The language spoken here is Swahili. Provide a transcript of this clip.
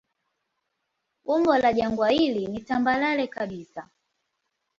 Umbo la jangwa hili ni tambarare kabisa.